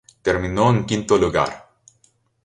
Terminó en quinto lugar.